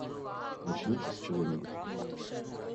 Начните с чего-нибудь.